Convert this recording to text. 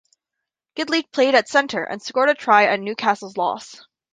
Gidley played at centre and scored a try in Newcastle's loss.